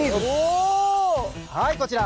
はいこちら。